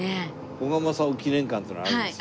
古賀政男記念館っていうのがあるんですよ。